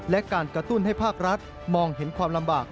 และการกระตุ้นให้ภาครัฐมองเห็นความลำบาก